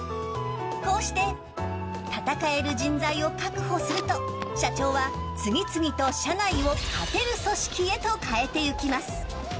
こうして戦える人材を確保すると社長は次々と社内を勝てる組織へと変えていきます。